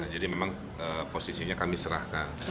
jadi memang posisinya kami serahkan